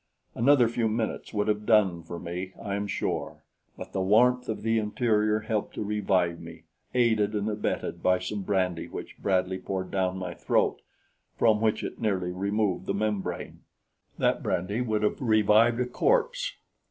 Another few minutes would have done for me, I am sure, but the warmth of the interior helped to revive me, aided and abetted by some brandy which Bradley poured down my throat, from which it nearly removed the membrane. That brandy would have revived a corpse.